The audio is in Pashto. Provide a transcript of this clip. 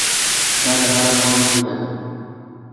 دا د هر افغان هیله ده.